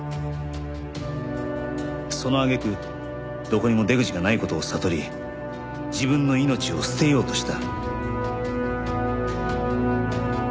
その揚げ句どこにも出口がない事を悟り自分の命を捨てようとした。